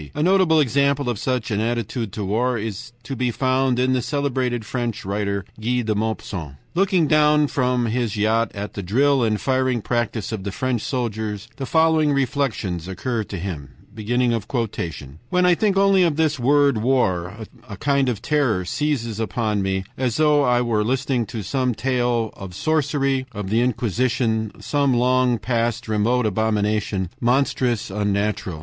A notable example of such an attitude to war is to be found in the celebrated French writer Guy de Maupassant. Looking from his yacht at the drill and firing practice of the French soldiers the following reflections occur to him: "When I think only of this word war, a kind of terror seizes upon me, as though I were listening to some tale of sorcery, of the Inquisition, some long past, remote abomination, monstrous, unnatural.